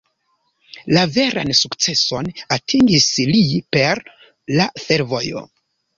La veran sukceson atingis li per la fervojo.